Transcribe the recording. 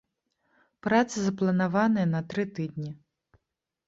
Працы запланаваныя на тры тыдні.